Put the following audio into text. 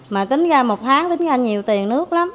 mà tính ra một tháng tính ra nhiều tiền nước lắm